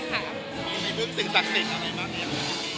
พี่หมื่นมือฝึกศึกศักดิ์สิทธิ์เยอะไหม